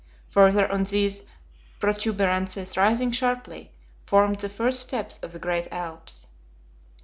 Further on these protuberances rising sharply, formed the first steps of the great Alps.